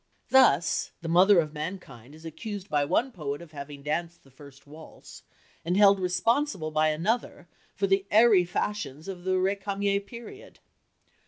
Thus the mother of mankind is accused by one poet of having danced the first waltz, and held responsible by another for the airy fashions of the Récamier period.